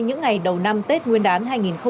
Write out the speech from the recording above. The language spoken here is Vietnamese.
những ngày đầu năm tết nguyên đán hai nghìn hai mươi